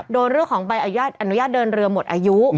เรื่องของใบอนุญาตเดินเรือหมดอายุ